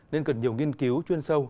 nên cần nhiều nghiên cứu chuyên sâu